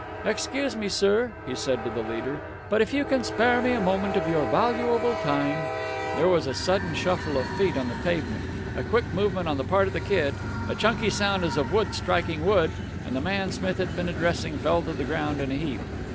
"Excuse me, sir," he said to the leader, "but if you can spare me a moment of your valuable time " There was a sudden shuffle of feet on the pavement, a quick movement on the part of the Kid, a chunky sound as of wood striking wood, and the man Smith had been addressing fell to the ground in a heap.